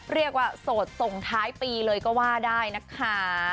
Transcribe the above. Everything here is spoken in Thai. เรียกว่าโสดส่งท้ายปีเลยก็ว่าได้นะคะ